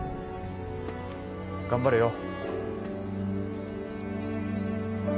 頑張れよ。